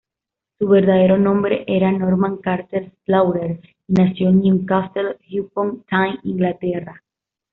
Su verdadero nombre era Norman Carter Slaughter, y nació en Newcastle upon Tyne, Inglaterra.